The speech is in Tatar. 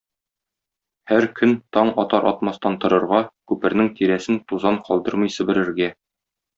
һәр көн таң атар-атмастан торырга, күпернең тирәсен тузан калдырмый себерергә.